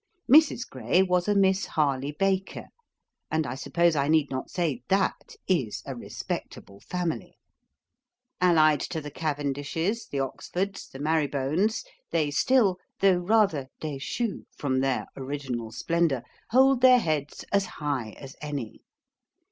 Mrs. Gray was a Miss Harley Baker: and I suppose I need not say THAT is a respectable family. Allied to the Cavendishes, the Oxfords, the Marrybones, they still, though rather DECHUS from their original splendour, hold their heads as high as any.